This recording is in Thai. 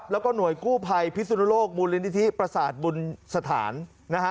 แล้วก็หน่วยกู้ภัยพิสุนโลกมูลนิธิประสาทบุญสถานนะฮะ